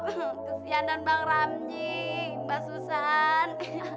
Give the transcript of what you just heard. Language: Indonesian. kesianan bang ramji mbak susan